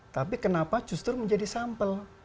tapi kenapa justru menjadi sampel